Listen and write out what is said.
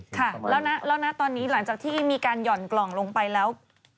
ค่ะแล้วนะตอนนี้หลังจากที่มีการหย่อนกล่องลงไปแล้ว